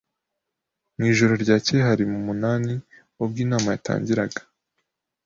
Mu ijoro ryakeye hari mu munani ubwo inama yatangiraga.